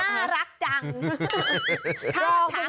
น่ารักจัง